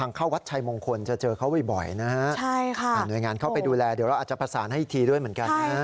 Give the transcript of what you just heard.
เนื้องานเข้าไปดูแลเดี๋ยวอาจจะภาษาให้อีกทีด้วยเหมือนกัน